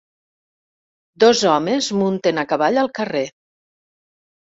Dos homes munten a cavall al carrer